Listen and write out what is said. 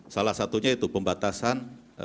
salah satunya itu pembatasan